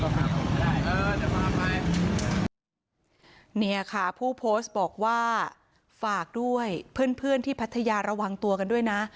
เดี๋ยวมาก่อนเนี้ยค่ะผู้โพสต์บอกว่าฝากด้วยเพื่อนเพื่อนที่ภัทยาระวังตัวกันด้วยนะ